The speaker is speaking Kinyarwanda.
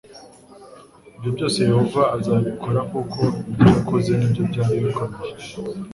ibyobyose yehova azabikora kuko ibyo yakoze nibyo byari bikomeye